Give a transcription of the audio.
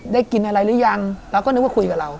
กินอะไรหรือยังเราก็นึกว่าคุยกับเรา